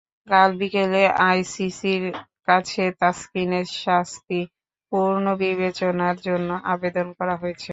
কাল বিকেলে আইসিসির কাছে তাসকিনের শাস্তি পুনর্বিবেচনার জন্য আবেদন করা হয়েছে।